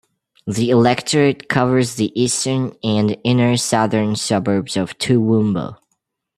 The electorate covers the eastern and inner southern suburbs of Toowoomba.